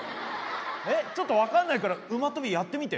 えっちょっと分かんないから馬跳びやってみて。